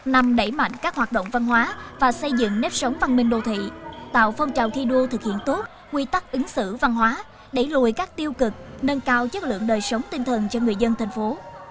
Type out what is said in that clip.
nằm đẩy mạnh các hoạt động văn hóa và xây dựng nếp sống văn minh đô thị tạo phong trào thi đua thực hiện tốt quy tắc ứng xử văn hóa đẩy lùi các tiêu cực nâng cao chất lượng đời sống tinh thần cho người dân thành phố